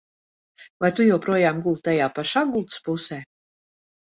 Vai tu joprojām guli tajā pašā gultas pusē?